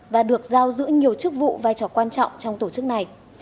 và được giao giữ nhiều chức vụ vai trò quan trọng trong tổ chức này